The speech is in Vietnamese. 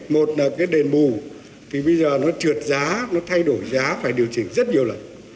một là cái đền bù thì bây giờ nó trượt giá nó thay đổi giá phải điều chỉnh rất nhiều lần